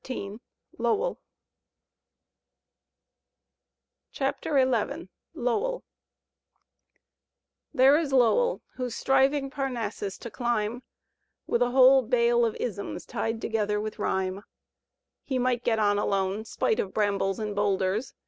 Digitized by Google CHAPTER XI LOWELL There b Lowell, who's striving Parnassus to dimb With a whole bale of isms tied together with rhyme; He might get on alone, spite of brambles and boulders.